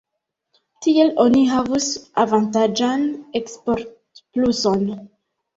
Tiel oni havus avantaĝan eksportpluson.